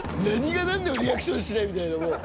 何がなんでもリアクションしないみたいな。